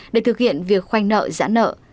để thực hiện việc khoanh nợ giãn nợ